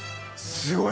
すごい！